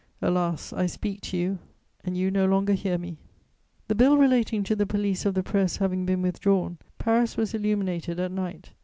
Alas, I speak to you, and you no longer hear me! The Bill relating to the police of the press having been withdrawn, Paris was illuminated at night.